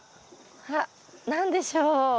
あっ何でしょう？